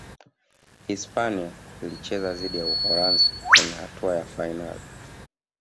hispania ilicheza dhidi ya Uholanzi kwenye hatua ya fainali